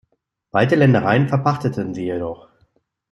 Weite Ländereien verpachteten sie jedoch.